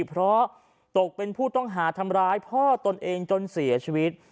เพราะตกเป็นผู้ต้องหาทำร้ายพ่อตนเองจนเสียชีวิต